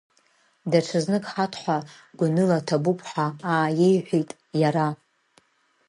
Даҽазнык Ҳаҭхәа гәаныла ҭабуп ҳәа ааиеиҳәеит иара.